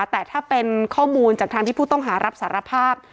แต่ถ้าเป็นข้อมูลจากทางที่ผู้ต้องหารับสารภาพ